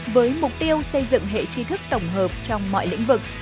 với mục tiêu xây dựng hệ chi thức tổng hợp trong mọi lĩnh vực